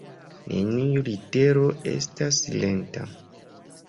Neniu litero estas silenta.